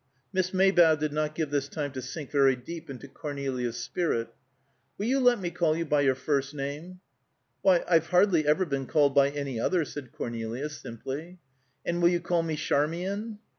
Miss Maybough did not give this time to sink very deep into Cornelia's spirit. "Will you let me call you by your first name?" "Why, I've hardly ever been called by any other," said Cornelia simply. "And will you call me Charmian?"